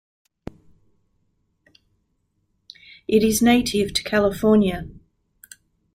It is native to California.